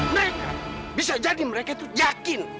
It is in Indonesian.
mereka bisa jadi mereka itu yakin